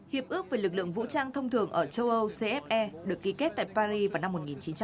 hiệp ước về lực lượng vũ trang thông thường ở châu âu cfe được ký kết tại paris vào năm một nghìn chín trăm bảy mươi